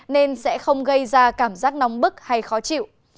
nên sẽ không gây ra cảm giác nóng bức hay khó chịu